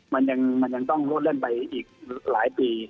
มันมันก็ต้องลทเล่นไปหลายปี